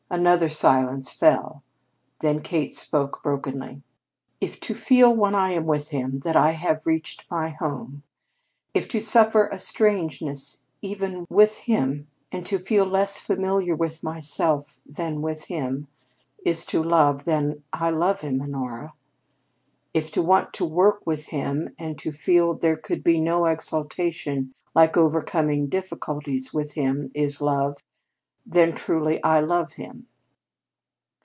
Another silence fell. Then Kate spoke brokenly. "If to feel when I am with him that I have reached my home; if to suffer a strangeness even with myself, and to feel less familiar with myself than with him, is to love, then I love him, Honora. If to want to work with him, and to feel there could be no exultation like overcoming difficulties with him, is love, then truly I love him.